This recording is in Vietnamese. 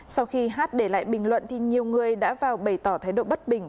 sau khi hát để lại bình luận thì nhiều người đã vào bày tỏ thái độ bất bình